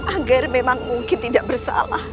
agar memang mungkin tidak bersalah